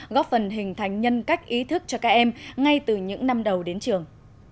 góp phần hình thành nhân cách ý thức cho các em ngay từ những năm đầu đến trường